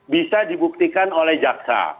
bisa dibuktikan oleh jaksa